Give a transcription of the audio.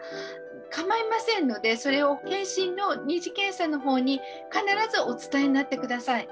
かまいませんのでそれを健診の二次検査の方に必ずお伝えになって下さい。